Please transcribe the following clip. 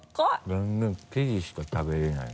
全然生地しか食べれない。